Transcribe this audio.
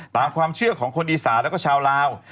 ตามความเชื่อของคนอีสานแล้วก็ชาวลาว